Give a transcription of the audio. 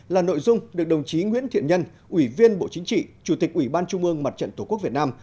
là nội dung được đồng chí nguyễn thiện nhân ủy viên bộ chính trị chủ tịch ủy ban trung ương mặt trận tổ quốc việt nam